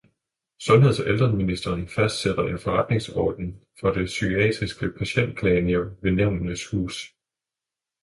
Sundheds- og ældreministeren fastsætter en forretningsorden for Det Psykiatriske Patientklagenævn ved Nævnenes Hus.